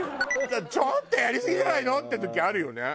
ちょっとやりすぎじゃないの？っていう時あるよね。